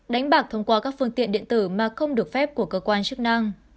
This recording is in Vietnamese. đánh bạc thông qua các phương tiện điện tử mà không được phép của cơ quan chức năng